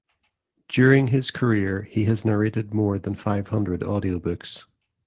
During his career he has narrated more than five hundred audiobooks.